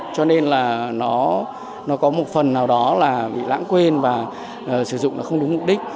cho nên là nó có một phần nào đó là bị lãng quên và sử dụng nó không đúng mục đích